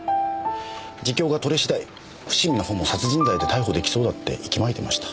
自供が取れ次第伏見の方も殺人罪で逮捕出来そうだって息巻いてました。